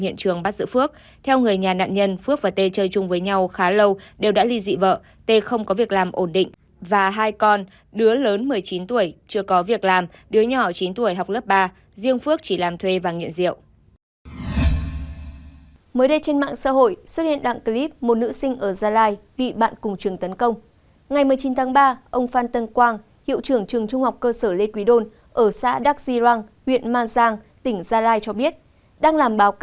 nữ sinh trong đoạn clip được xác định là học sinh lớp chín trường trung mọc cơ sở lê quý đôn xã đặc di răng huyện mang giang